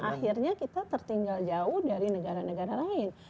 akhirnya kita tertinggal jauh dari negara negara lain